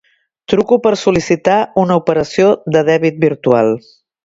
Truco per sol·licitar una operació de dèbit virtual.